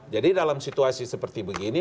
jadi dalam situasi seperti begini